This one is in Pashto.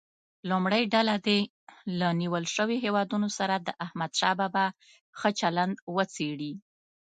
لومړۍ ډله دې له نیول شویو هیوادونو سره د احمدشاه بابا ښه چلند څېړي.